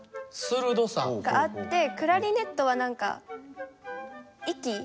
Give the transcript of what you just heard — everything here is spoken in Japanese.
鋭さ？があってクラリネットは何か息っていうか丸み？